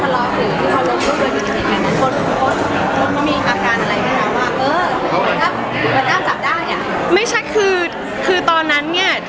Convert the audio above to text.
ก็มาทราบเรื่องเองจริง